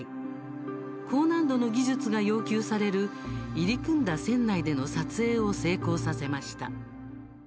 高難度の技術が要求される入り組んだ船内での撮影を成功させました。